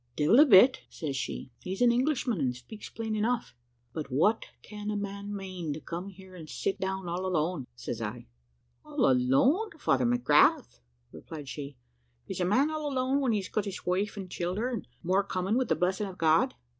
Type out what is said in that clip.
"`Devil a bit,' says she; `he's an Englishman, and speaks plain enough.' "`But what can a man mane, to come here and sit down all alone?' says I. "`All alone, Father McGrath!' replied she: `is a man all alone when he's got his wife and childer, and more coming, with the blessing of God?'